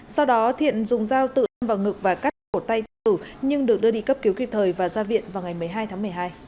sau đó thiện dùng dao tự đâm vào ngực và cắt cổ tay tử nhưng được đưa đi cấp cứu kịp thời và ra viện vào ngày một mươi hai tháng một mươi hai